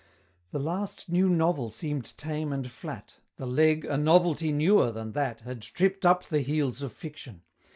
The last new Novel seem'd tame and flat, The Leg, a novelty newer than that, Had tripp'd up the heels of Fiction!